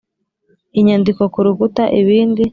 inyandiko ku rukuta ibindi